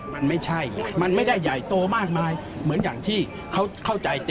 มันไม่ใช่มันไม่ได้ใหญ่โตมากมายเหมือนอย่างที่เขาเข้าใจ